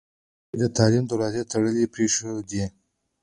هغوی د تعلیم دروازې تړلې پرېښودې.